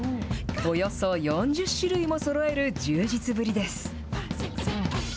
およそ４０種類もそろえる充実ぶりです。